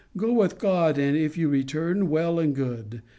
Go with God, and if you return, well and good.